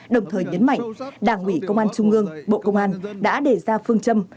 đồng thời nhấn mạnh đảng ủy công an trung ương bộ công an đã đề ra phương châm